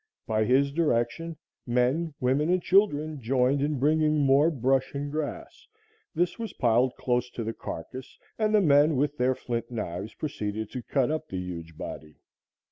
By his direction, men, women and children joined in bringing more brush and grass. This was piled close to the carcass and the men with their flint knives proceeded to cut up the huge body.